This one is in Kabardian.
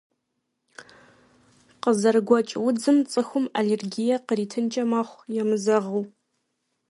КъызэрыгуэкӀ удзым цӀыхум аллергие къритынкӀэ мэхъу, емызэгъыу.